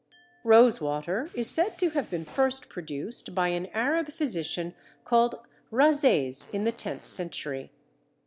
Rosewater is said to have been first produced by an Arab physician called Rhazés in the tenth century.